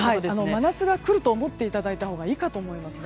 真夏がくると思っていただいたほうがいいかと思います。